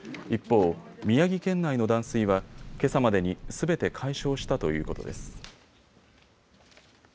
一方、宮城県内の断水はけさまでにすべて解消したということです。